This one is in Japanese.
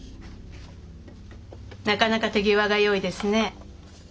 なかなか手際がよいですね。